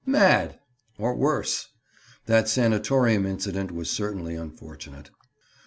"Mad!" Or worse! That sanatorium incident was certainly unfortunate.